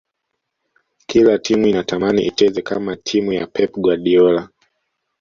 kila timu inatamani icheze kama timu ya pep guardiola